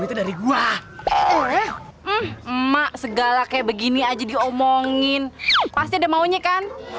emak segala kayak begini aja diomongin pasti ada maunya kan